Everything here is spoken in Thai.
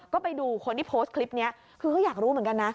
ก็ไปดูคนที่โพสต์คลิปนี้คือเขาอยากรู้เหมือนกันนะ